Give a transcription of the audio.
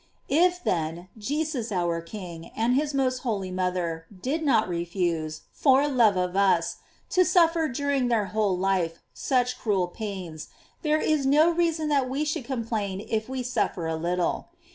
"J If, then, Jesus our King and his most holy mother did not refuse, for love of us, to suffer during their whole life such cruel pains, there is BO reason that we should complain if we suffer a little.